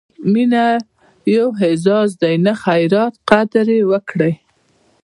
مینه یو اعزاز دی، نه خیرات؛ قدر یې وکړئ!